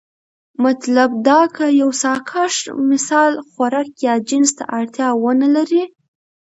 مطلب دا که يو ساکښ مثلا خوراک يا جنس ته اړتيا ونه لري،